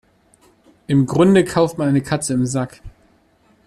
Im Grunde kauft man eine Katze im Sack.